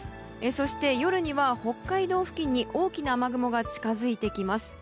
そして夜には北海道付近に大きな雨雲が近づいてきます。